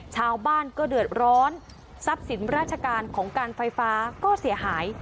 ชาวบ้านก็เดือดร้อนทรัพย์สินราชการของการไฟฟ้าก็เสียหาย